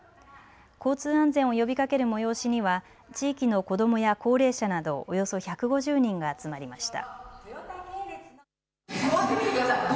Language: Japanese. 交通安全を呼びかける催しには地域の子どもや高齢者などおよそ１５０人が集まりました。